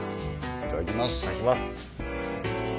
いただきます